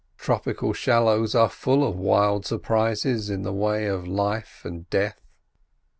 Tropical shallows are full of wild surprises in the way of life—and death.